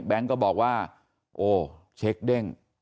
เบนก์ก็บอกว่าเช็คเด้ง